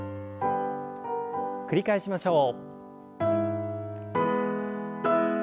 繰り返しましょう。